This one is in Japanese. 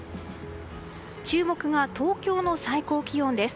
注目が東京の最高気温です。